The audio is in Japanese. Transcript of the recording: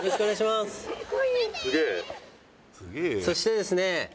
そしてですね